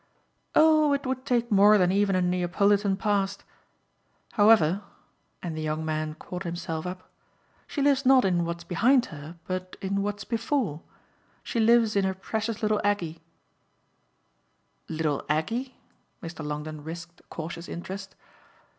"Oh it would take more than even a Neapolitan past ! However" and the young man caught himself up "she lives not in what's behind her, but in what's before she lives in her precious little Aggie." "Little Aggie?" Mr. Longdon risked a cautious interest.